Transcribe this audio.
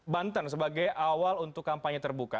banten sebagai awal untuk kampanye terbuka